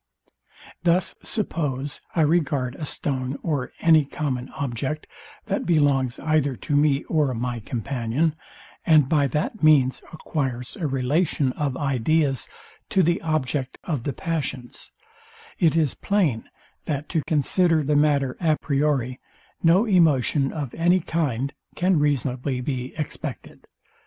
Thus suppose, I regard a stone or any common object, that belongs either to me or my companion, and by that means acquires a relation of ideas to the object of the passions: It is plain, that to consider the matter a priori, no emotion of any kind can reasonably be expected.